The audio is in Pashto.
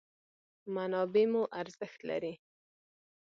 منابع مو ارزښت لري.